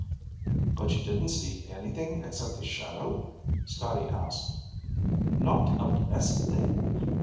"But you didn't see anything except the shadow?" Scotty asked. "Not a blessed thing.